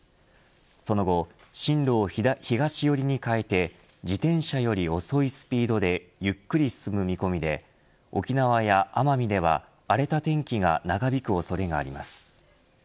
その後、進路を東寄りに変えて自転車より遅いスピードでゆっくり進む見込みで沖縄や奄美では、荒れた天気が長引く恐れがあります。